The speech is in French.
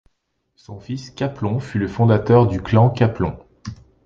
Son fils, Kaplon, fut le fondateur du clan Kaplon.